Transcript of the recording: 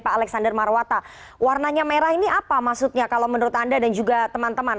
pak alexander marwata warnanya merah ini apa maksudnya kalau menurut anda dan juga teman teman